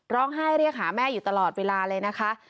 ร้องไห้เรียกหาแม่อยู่ตลอดเวลาเลยนะคะ